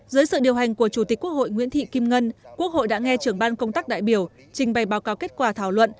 dưới sự điều hành của chủ tịch quốc hội nguyễn thị kim ngân quốc hội đã nghe trưởng ban công tác đại biểu trình bày báo cáo kết quả thảo luận